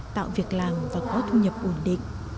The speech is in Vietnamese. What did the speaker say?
tạo việc làm và có thu nhập ổn định